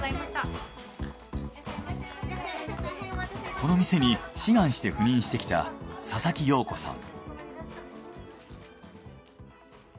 この店に志願して赴任してきた佐々木陽子さん。